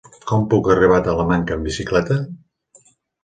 Com puc arribar a Talamanca amb bicicleta?